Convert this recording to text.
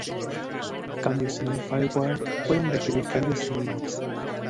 Cambios en el firmware pueden requerir cambios en Linux.